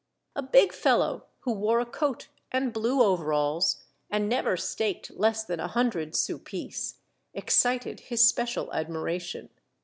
A big fellow who wore a coat and blue overalls, and never staked less than a hundred sou piece, excited his special admiration.